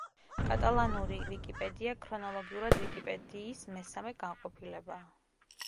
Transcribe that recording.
კატალანური ვიკიპედია ქრონოლოგიურად ვიკიპედიის მესამე განყოფილებაა.